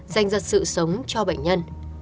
dành dật sự sống cho bệnh nhân